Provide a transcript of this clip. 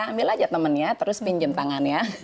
ambil aja temannya terus pinjem tangannya